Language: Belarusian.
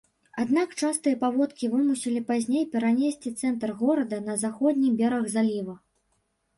Аднак частыя паводкі вымусілі пазней перанесці цэнтр горада на заходні бераг заліва.